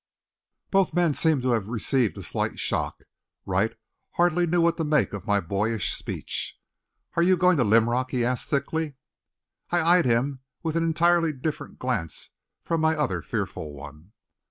Both men seemed to have received a slight shock. Wright hardly knew what to make of my boyish speech. "Are you going to Linrock?" he asked thickly. I eyed him with an entirely different glance from my other fearful one.